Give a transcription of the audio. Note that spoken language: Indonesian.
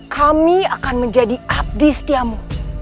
kami akan menjadi abdi setiamu